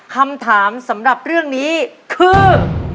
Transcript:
คำถามสำหรับเรื่องนี้คือ